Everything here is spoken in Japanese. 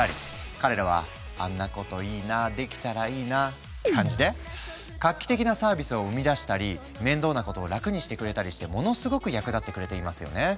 彼らはあんなこといいなできたらいいなって感じで画期的なサービスを生み出したり面倒なことを楽にしてくれたりしてものすごく役立ってくれていますよね。